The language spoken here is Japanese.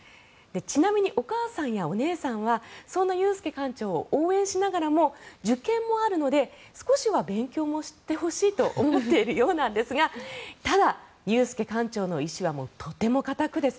ちなみに、お母さんやお姉さんはそんな裕介館長を応援しながらも受験もあるので少しは勉強もしてほしいと思っているようなんですがただ、裕介館長の意思はとても固く